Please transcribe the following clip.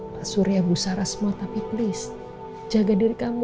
pak surya bu sarah semua tapi tolong jaga diri kamu